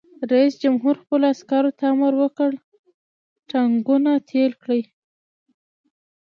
رئیس جمهور خپلو عسکرو ته امر وکړ؛ ټانکونه تېل کړئ!